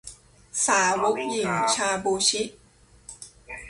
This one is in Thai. สาวกหยิ่ง ชาบู ชิ